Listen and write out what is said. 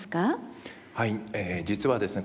はい実はですね